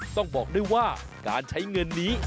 ต้องบอกด้วยว่าการใช้เงินนี้